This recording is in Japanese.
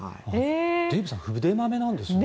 デーブさん筆まめなんですね。